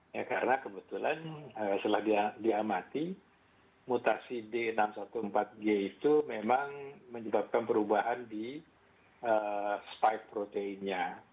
ya karena kebetulan setelah diamati mutasi d enam ratus empat belas g itu memang menyebabkan perubahan di spike proteinnya